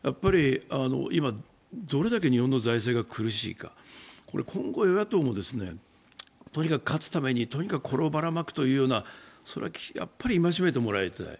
今、どれだけ日本の財政が苦しいか今後、与野党もとにかく勝つためにこれをばらまくというのは戒めてもらいたい。